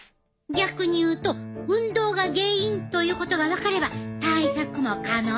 逆に言うと運動が原因ということが分かれば対策も可能やな。